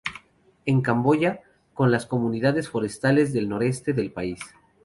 En Camboya, con las comunidades forestales del Noreste del país.